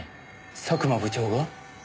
佐久間部長が？